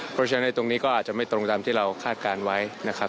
เพราะฉะนั้นในตรงนี้ก็อาจจะไม่ตรงตามที่เราคาดการณ์ไว้นะครับ